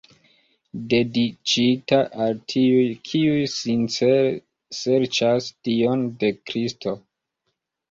Dediĉita al tiuj, kiuj sincere serĉas Dion de Kristo.